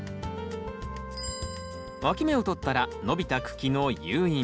わき芽をとったら伸びた茎の誘引。